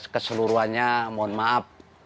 keseluruhannya mohon maaf